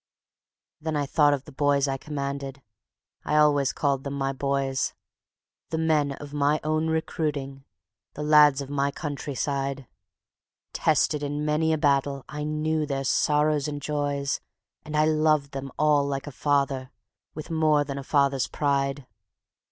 Then I thought of the Boys I commanded I always called them "my Boys" The men of my own recruiting, the lads of my countryside; Tested in many a battle, I knew their sorrows and joys, And I loved them all like a father, with more than a father's pride.